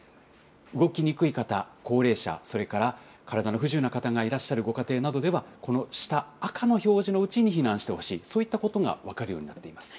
動きにくい方、高齢者、それから体の不自由な方がいらっしゃるご家庭などでは、この下、赤の表示のうちに避難してほしい、そういったことが分かるようになっています。